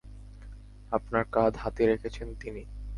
আপনার কাঁধে হাত রেখেছেন তিনি।